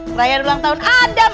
perayaan ulang tahun adam